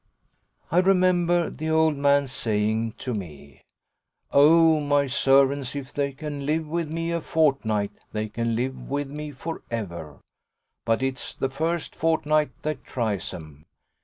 I remember the old man's saying to me: "Oh my servants, if they can live with me a fortnight they can live with me for ever. But it's the first fortnight that tries 'em."